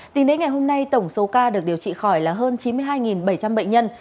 tính đến ngày hôm nay tổng số ca được điều trị khỏi là hơn chín mươi hai bảy trăm linh bệnh nhân